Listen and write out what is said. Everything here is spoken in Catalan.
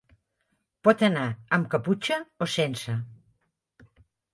Pot anar amb caputxa o sense.